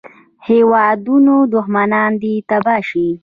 هېواده دوښمنان دې تباه شه